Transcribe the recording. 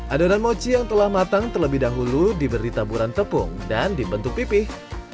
adonan mochi yang telah matang terlebih dahulu diberi taburan tepung dan dibentuk pipih